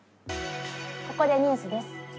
ここでニュースです。